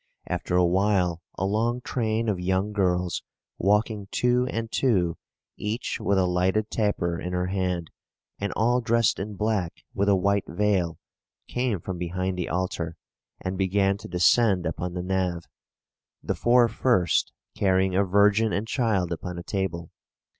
After a while a long train of young girls, walking two and two, each with a lighted taper in her hand, and all dressed in black with a white veil, came from behind the altar, and began to descend the nave; the four first carrying a Virgin and child upon a table.